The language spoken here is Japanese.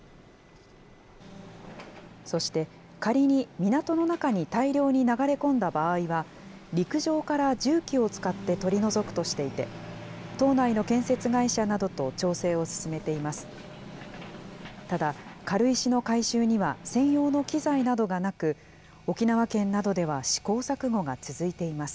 そして、仮に港の中に大量に流れ込んだ場合は、陸上から重機を使って取り除くとしていて、島内の建設会社などと調整を進めています。